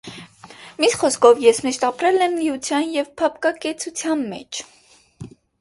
Մի խոսքով՝ ես միշտ ապրել եմ լիության և փափկակեցության մեջ: